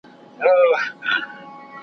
د پوه سړي دوستي زیان نه لري